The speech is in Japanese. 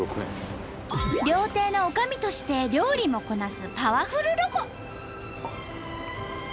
料亭のおかみとして料理もこなすパワフルロコ！